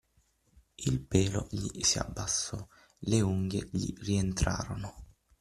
Il pelo gli si abbassò, le unghie gli rientrarono.